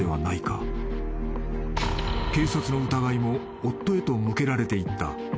［警察の疑いも夫へと向けられていった］